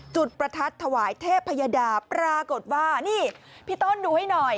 ประทัดถวายเทพยดาปรากฏว่านี่พี่ต้นดูให้หน่อย